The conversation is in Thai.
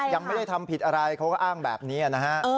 ยังไม่ได้ทำผิดอะไรเขาก็อ้างแบบนี้นะฮะ